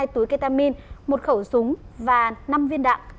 hai túi ketamin một khẩu súng và năm viên đạn